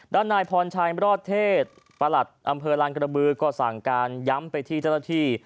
ด้านนายพรชัยรอดเทศประหลัดอำเภอลานกระบือก็สั่งการย้ำไปที่เจ้าหน้าที่